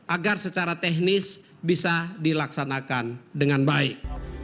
agar secara teknis bisa dilaksanakan dengan baik